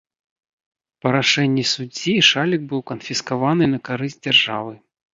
Па рашэнні суддзі шалік быў канфіскаваны на карысць дзяржавы.